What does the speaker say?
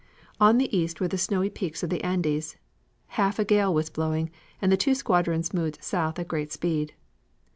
On the east were the snowy peaks of the Andes. Half a gale was blowing and the two squadrons moved south at great speed.